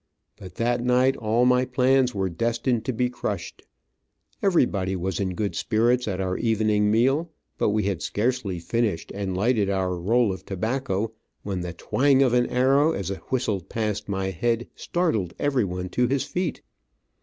But that night all my plans were destined to be crushed. Everybody was in good spirits at our evening meal, but we had scarcely finished and lighted our roll of tobacco when the twang of an arrow, as it whistled past my head, startled everyone to his feet.